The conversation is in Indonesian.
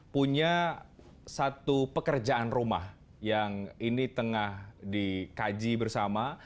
punya satu pekerjaan rumah yang ini tengah dikaji bersama